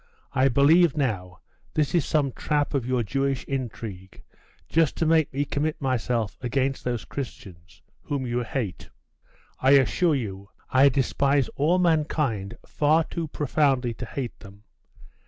I believe, now, this is some trap of your Jewish intrigue, just to make me commit myself against those Christians, whom you hate.' 'I assure you, I despise all mankind far too profoundly to hate them.